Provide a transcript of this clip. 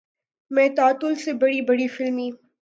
میں تعطل سے بڑی بڑی فلمی